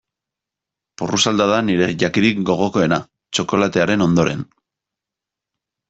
Porrusalda da nire jakirik gogokoena, txokolatearen ondoren.